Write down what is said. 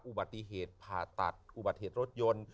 อุบัติเหตุผ่าตัดอุบัติเหตุรถยนต์